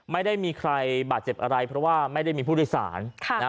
ไม่ได้มีใครบาดเจ็บอะไรเพราะว่าไม่ได้มีผู้โดยสารค่ะนะฮะ